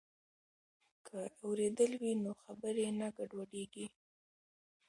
که اورېدل وي نو خبرې نه ګډوډیږي.